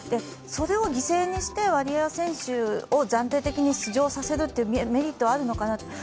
それを犠牲にしてワリエワ選手を暫定的に出場させるというメリットはあるのかなと。